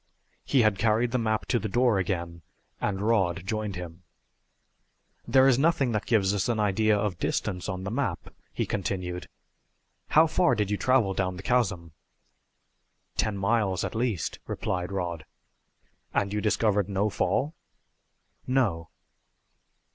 He had carried the map to the door again, and Rod joined him. "There is nothing that gives us an idea of distance on the map," he continued. "How far did you travel down the chasm?" "Ten miles, at least," replied Rod. "And you discovered no fall?" "No."